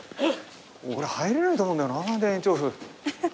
俺入れないと思うんだよな田園調布。